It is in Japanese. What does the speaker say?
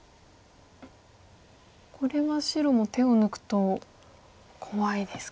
これは白も手を抜くと怖いですか。